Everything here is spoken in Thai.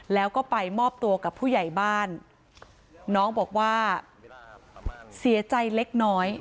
แล้วก็ไปมอบตัวกับผู้ใหญ่บ้านน้องบอกว่าเสียใจเล็กน้อย